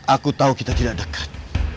aku tahu kita tidak dekat